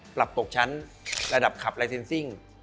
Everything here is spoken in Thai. ปรับตกชั้นระดับขับลายเซ็นซิ่ง